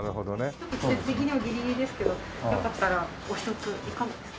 ちょっと季節的にもギリギリですけどよかったらお一ついかがですか？